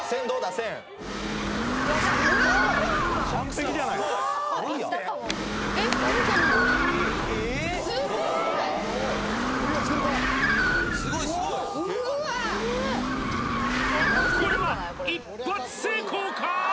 線これは一発成功か？